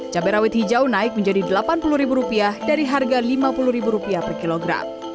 cabai rawit hijau naik menjadi rp delapan puluh dari harga rp lima puluh per kilogram